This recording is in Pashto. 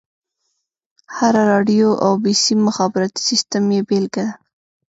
هره راډيو او بيسيم مخابراتي سيسټم يې بېلګه ده.